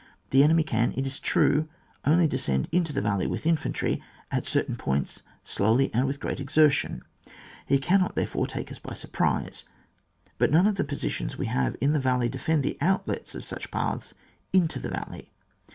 The enemy can, it is true, only descend into the val ley with infantry, at certain points, slowly and with great exertion; he cannot, therefore, take us by surprise ; but none of the positions we have in the valley defend the outlets of such paths into the valley.